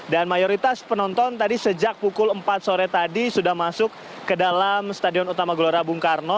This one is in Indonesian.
dan mayoritas penonton tadi sejak pukul empat sore tadi sudah masuk ke dalam stadion utama gelora bung karno